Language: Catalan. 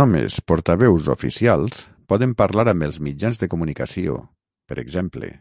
Només portaveus oficials poden parlar amb els mitjans de comunicació, per exemple.